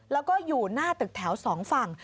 แล้วก็อยู่หน้าตึกแถว๒ฝั่ง